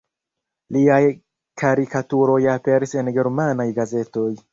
Liaj karikaturoj aperis en germanaj gazetoj.